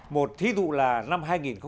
một thí dụ là năm hai nghìn một mươi chín